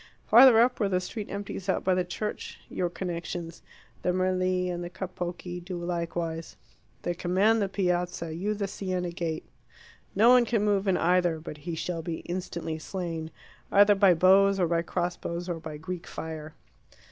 Farther up, where the street empties out by the church, your connections, the Merli and the Capocchi, do likewise. They command the Piazza, you the Siena gate. No one can move in either but he shall be instantly slain, either by bows or by crossbows, or by Greek fire.